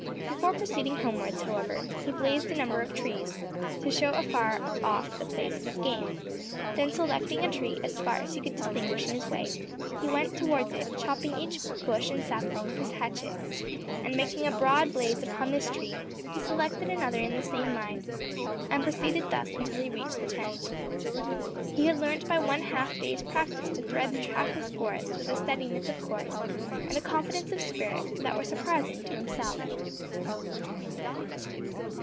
Before proceeding homewards, however, he blazed a number of trees, to show afar off the place of his game; then selecting a tree, as far as he could distinguish in his way, he went towards it, chopping each bush and sapling with his hatchet; and making a broad blaze upon this tree, he selected another in the same line, and proceeded thus until he reached the tent. He had learnt by one half day's practice to thread the trackless forest with a steadiness of course and a confidence of spirit that were surprising to himself.